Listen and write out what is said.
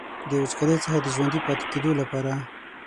د وچکالۍ څخه د ژوندي پاتې کیدو لپاره.